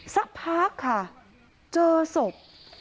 สักพักค่ะเจอศพ